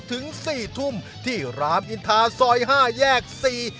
ถึงสี่ทุ่มที่รามอินทาซอยห้าแยกสี่